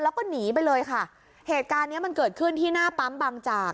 แล้วก็หนีไปเลยค่ะเหตุการณ์เนี้ยมันเกิดขึ้นที่หน้าปั๊มบางจาก